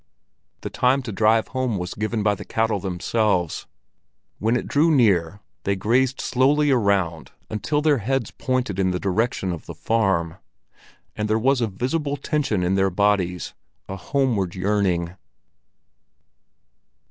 The time to drive home was given by the cattle themselves. When it drew near, they grazed slowly around until their heads pointed in the direction of the farm; and there was a visible tension in their bodies, a homeward yearning.